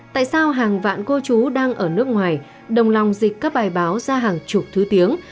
tại sao hàng vạn cô chú đang ở nước ngoài đồng lòng dịch các bài báo ra hàng chục thứ tiếng